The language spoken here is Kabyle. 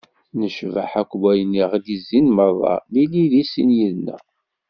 Yecbeḥ akk wayen i ɣ-d-yezzin m'ara nili deg sin yid-neɣ.